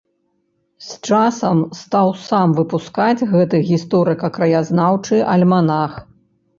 З часам стаў сам выпускаць гэты гісторыка-краязнаўчы альманах.